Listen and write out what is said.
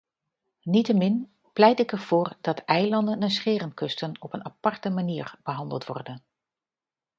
Niettemin pleit ik ervoor dat eilanden en scherenkusten op een aparte manier behandeld worden.